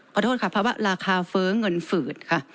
ขอโทษค่ะเพราะว่าราคาเฟ้อเงินฝืดค่ะ